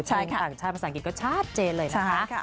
เพลงภาษาอังกฤษก็ชาติเจนเลยนะคะ